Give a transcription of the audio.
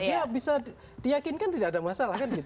dia bisa diakinkan tidak ada masalah